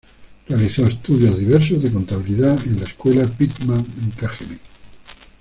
Realizó estudios diversos de contabilidad en la escuela Pitman en Cajeme.